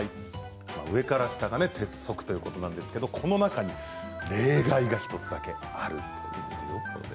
上から下が鉄則ということですがこの中に例外が１つだけあるということです。